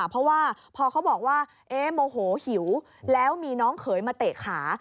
เพราะว่าพอเขาบอกว่าโมโหหิวแล้วมีน้องเขยมาเตะขา